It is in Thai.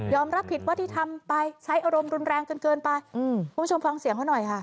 รับผิดว่าที่ทำไปใช้อารมณ์รุนแรงจนเกินไปอืมคุณผู้ชมฟังเสียงเขาหน่อยค่ะ